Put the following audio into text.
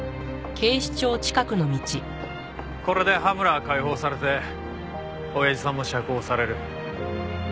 これで羽村は解放されて親父さんも釈放される。